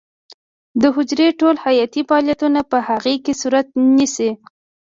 د حجرې ټول حیاتي فعالیتونه په هغې کې صورت نیسي.